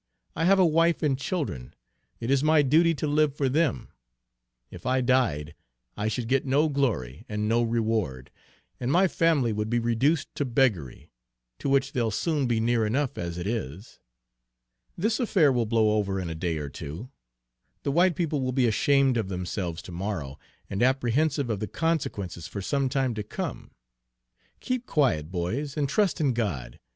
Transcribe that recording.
I have a wife and children. It is my duty to live for them. If I died, I should get no glory and no reward, and my family would be reduced to beggary, to which they'll soon be near enough as it is. This affair will blow over in a day or two. The white people will be ashamed of themselves to morrow, and apprehensive of the consequences for some time to come. Keep quiet, boys, and trust in God.